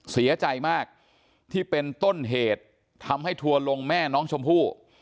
เสียใจมากที่เป็นต้นเหตุทำให้ทัวร์ลงแม่น้องชมพู่